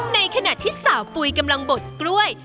ในขณะที่สาวปุ๋ยกำลังบดกล้วย